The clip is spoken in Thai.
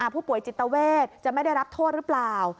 ผู้ป่วยจิตเวทจะไม่ได้รับโทษหรือเปล่า